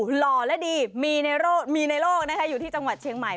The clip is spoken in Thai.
หล่อและดีมีในโลกนะคะอยู่ที่จังหวัดเชียงใหม่